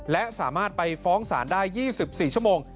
และสามารถไปฟ้องศาลได้๒๔ชั่วโมง